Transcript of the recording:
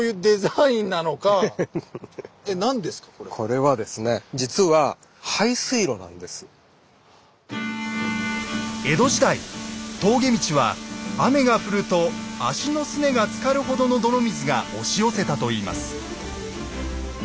これはですね江戸時代峠道は雨が降ると足のすねがつかるほどの泥水が押し寄せたといいます。